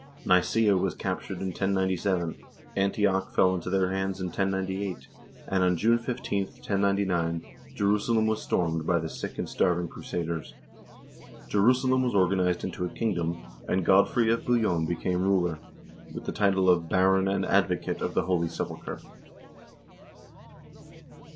Nicsea was captured in 1097, Antioch fell into their hands in 1098, and on June 15, 1099, Jerusalem was stormed by the sick and starving crusaders. Jerusalem was or ganized into a kingdom, and Godfrey of Bouillon became ruler, with the title of "Baron and Advocate of the Holy Sepulchre."